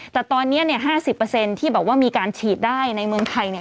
แต่ตอนนี้๕๐ที่บอกว่ามีการฉีดได้ในเมืองไทย